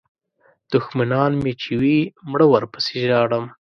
دوښمنان مې چې وي مړه ورپسې ژاړم.